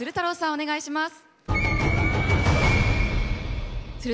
お願いします。